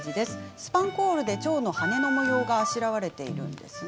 スパンコールでチョウの羽の模様があしらわれているんですね。